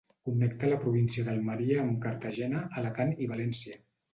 Connecta la província d'Almeria amb Cartagena, Alacant i València.